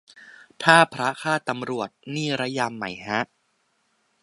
ถ้าพระฆ่าตำรวจนี่ระยำไหมฮะ